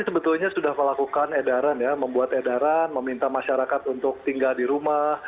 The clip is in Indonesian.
sebetulnya sudah melakukan edaran ya membuat edaran meminta masyarakat untuk tinggal di rumah